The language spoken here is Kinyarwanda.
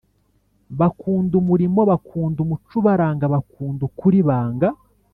Bakunda umurimo bakunda umuco ubaranga bakunda ukuri banga